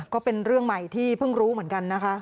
ก็เป็นเรื่องใหม่ที่เพิ่งรู้เหมือนกันนะคะ